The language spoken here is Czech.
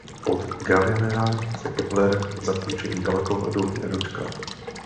Od Galilea se Kepler zapůjčení dalekohledu nedočkal.